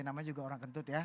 namanya juga orang kentut ya